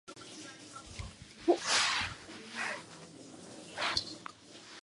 Factories to exploit the process were established at Isleworth and Rotherhithe.